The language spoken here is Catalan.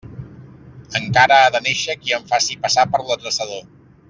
Encara ha de néixer qui em faci passar per l'adreçador.